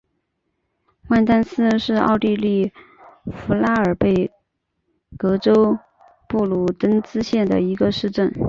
万丹斯是奥地利福拉尔贝格州布卢登茨县的一个市镇。